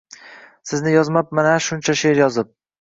Sizni yozmabmana shuncha sher yozib